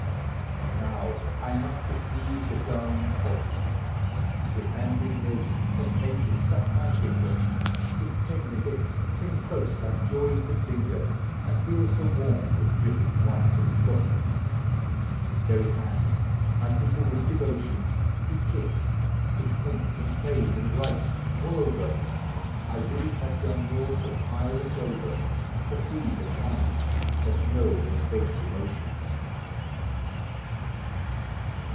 And now I must deceive the darling bossy, — With hand in milk must make it suck my finger. Its tender lips cling close like joys that linger, And feel so warm with dripping white and flossy. This very hand my people with devotion Do kiss, — which paints and plays and writes, moreover, — I would it had done naught but pile the clover To feed the kine that know no base emotion